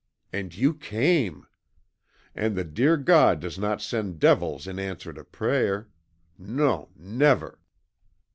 AND YOU CAME! And the dear God does not send devils in answer to prayer. NON; never!"